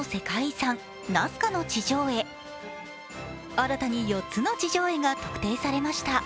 新たに４つの地上絵が特定されました。